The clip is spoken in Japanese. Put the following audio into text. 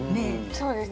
そうですね。